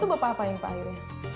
itu apa yang pak ayureh